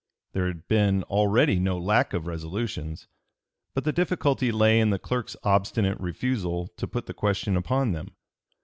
There had been already no lack of resolutions, but the difficulty lay in the clerk's obstinate refusal to put the question upon them.